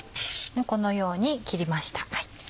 このように切りました。